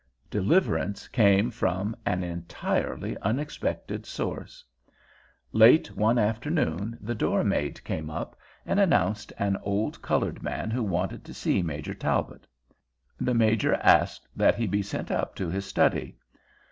Deliverance came from an entirely unexpected source. Late one afternoon the door maid came up and announced an old colored man who wanted to see Major Talbot. The Major asked that he be sent up to his study.